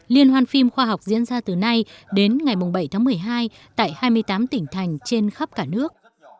liên hoan phim khoa học diễn ra từ nay đến ngày bảy tháng một mươi hai tại hai mươi tám tỉnh thành trên khắp cả nước